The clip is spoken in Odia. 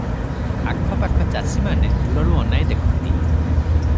ଆଖ ପାଖ ଚାଷିମାନେ ଦୂରରୁ ଅନାଇ ଦେଖନ୍ତି